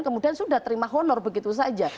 kemudian sudah terima honor begitu saja